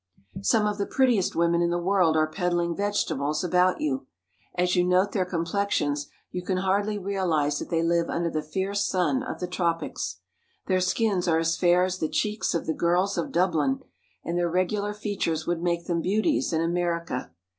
Some of the prettiest women in the world are peddling vegetables about you. As you note their complexions you can hardly realize that they live under the fierce sun of the tropics. Their skins are as fair as the cheeks of the girls of Dublin, and their regular features would make them beauties in America.